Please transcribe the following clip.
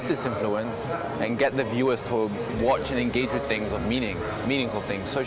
jadi bagaimana kita memasukkan pengaruh ini dan membuat penonton menonton dan berkomunikasi dengan hal hal yang berarti